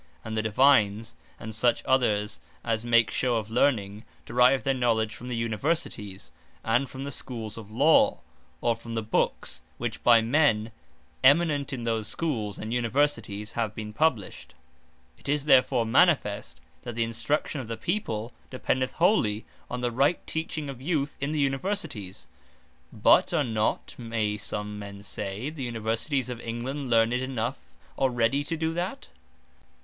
And the Divines, and such others as make shew of Learning, derive their knowledge from the Universities, and from the Schooles of Law, or from the Books, which by men eminent in those Schooles, and Universities have been published. It is therefore manifest, that the Instruction of the people, dependeth wholly, on the right teaching of Youth in the Universities. But are not (may some men say) the Universities of England learned enough already to do that?